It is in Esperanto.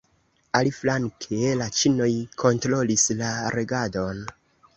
Aliflanke, la ĉinoj kontrolis la regadon.